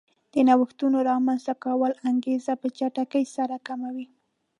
د نوښتونو رامنځته کولو انګېزه په چټکۍ سره کموي